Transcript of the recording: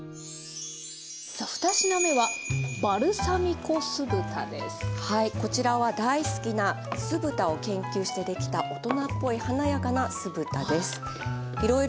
さあ２品目はこちらは大好きな酢豚を研究して出来た大人っぽい華やかな酢豚です。